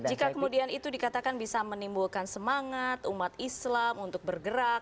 jika kemudian itu dikatakan bisa menimbulkan semangat umat islam untuk bergerak